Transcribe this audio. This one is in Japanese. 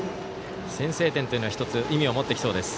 先制点というのは１つ、意味を持ってきそうです。